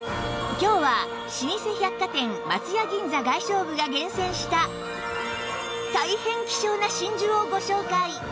今日は老舗百貨店松屋銀座外商部が厳選した大変希少な真珠をご紹介！